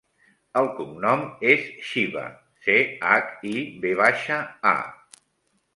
El cognom és Chiva: ce, hac, i, ve baixa, a.